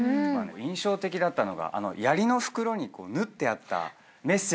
印象的だったのがやりの袋に縫ってあったメッセージ。